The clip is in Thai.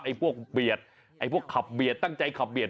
พวกเบียดไอ้พวกขับเบียดตั้งใจขับเบียด